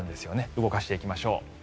動かしていきましょう。